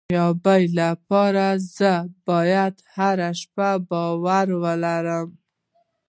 د کامیابۍ لپاره زه باید هره شپه باور ولرم.